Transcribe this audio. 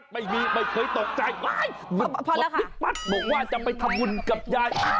ไม่เคยตกใจพอแล้วค่ะบอกว่าจะไปทำหมุนกับยาย